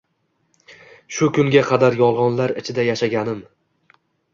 Shu kunga qadar yolg`onlar ichida yashaganim